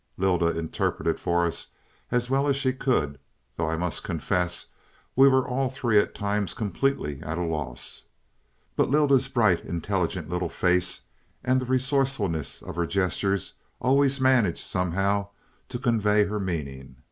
Lylda interpreted for us as well as she could, though I must confess we were all three at times completely at a loss. But Lylda's bright, intelligent little face, and the resourcefulness of her gestures, always managed somehow to convey her meaning.